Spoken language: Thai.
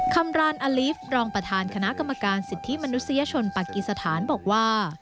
คำรานอลิฟต์รองประธานคณะกรรมการสิทธิมนุษยชนปากีสถานบอกว่า